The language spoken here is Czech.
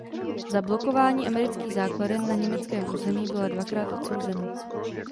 Za blokování amerických základen na německém území byla dvakrát odsouzena.